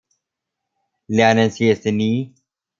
Lernen Sie es denn nie?